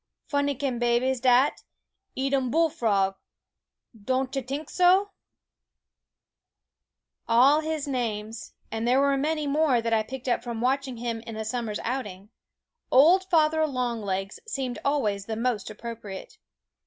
Funny kin' babies dat, eat um bullfrog ; don' chu tink so ?" Of all his names and there were many more that I picked up from watching him in a summer's outing "Old Father Longlegs" seemed always the most appropriate.